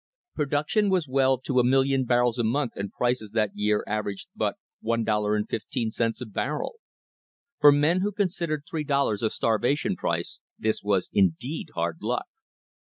Production was well to a million barrels a month and prices that year averaged but $1.15 a barrel. For men who considered three dollars a starvation price this was indeed hard luck.